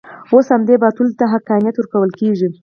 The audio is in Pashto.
اوس همدې باطلو ته حقانیت ورکول کېږي.